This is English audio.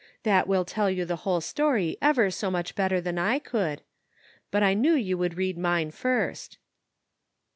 That Avill tell ^ou the whole story ever so much better than I could, but I knew you wuuld read mine first.